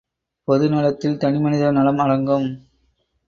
பொது நலத்தில் தனி மனித நலம் அடங்கும்.